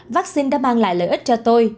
vaccine đã mang lại lợi ích cho tôi